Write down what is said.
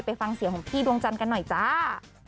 ไปฟังเสียงของพี่ดวงจันทร์กันหน่อยจ้า